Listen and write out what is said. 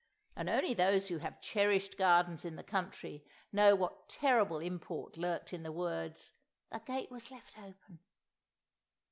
And only those who have cherished gardens in the country know what terrible import lurked in the words, "The gate was lef' open!"